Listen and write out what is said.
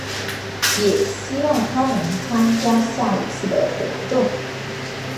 也希望她能参加下一次的活动。